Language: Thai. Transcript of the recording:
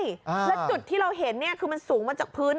แล้วจุดที่เราเห็นคือมันสูงมาจากพื้น